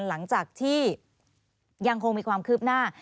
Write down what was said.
หลังจากที่ยังคงมีความคืบหน้า